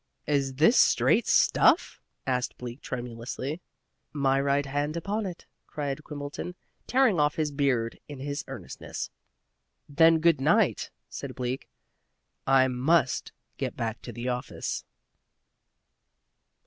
"Is this straight stuff?" asked Bleak tremulously. "My right hand upon it," cried Quimbleton, tearing off his beard in his earnestness. "Then good night!" said Bleak. "I must get back to the office."